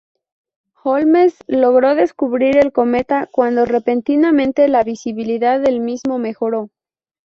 Holmes logró descubrir el cometa cuando repentinamente la visibilidad del mismo mejoró.